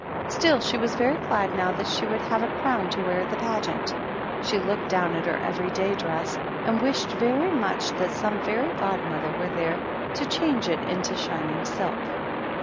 Still, she was very glad now that she would have a crown to wear at the Pageant. She looked down at her every day dress, and wished very much that some fairy godmother were there to cliange it into shining silk.